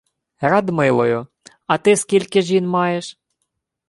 — Радмилою. А ти скільки жін маєш?